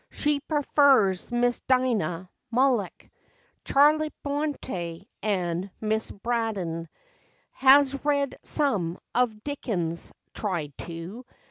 She prefers Miss Dinah Mulock, Charlotte Bronte, and Miss Braddon ; Has read some of Dickens—tried to.